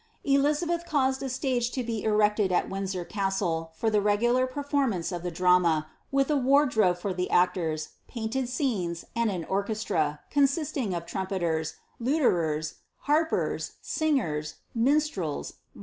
Elizabeth caused I stage to he erected at Windsor Castle for the regular performance of ihe drama, with a wardrobe for the actors, painted scenes, and an orchestra, consisting of trumpeters, luterers, harpers, singers, minstrels.